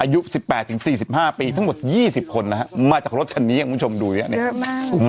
อายุสิบแปดถึงสี่สิบห้าปีทั้งหมดยี่สิบคนนะฮะมาจากรถคันนี้อย่างคุณชมดูอ่ะเนี้ยเยอะมาก